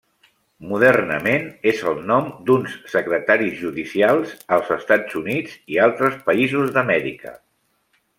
Modernament és el nom d'uns secretaris judicials als Estats Units i altres països d'Amèrica.